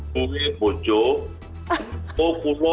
jangan pake kata pria